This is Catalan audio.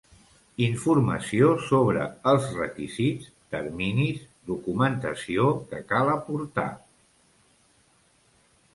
Informació sobre els requisits, terminis, documentació que cal aportar...